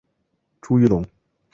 朱一龙